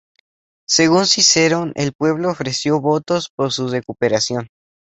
Según Cicerón, el pueblo ofreció votos por su recuperación.